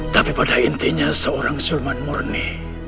tapi pada intinya seorang sulman murni